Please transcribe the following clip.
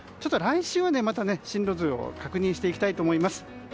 来週はまた進路図を確認していきたいと思います。